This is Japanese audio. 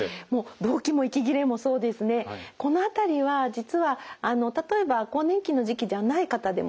この辺りは実は例えば更年期の時期ではない方でもですね